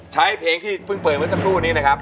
ใช้เพลงที่เพิ่งเปิดเมื่อสักครู่นี้นะครับ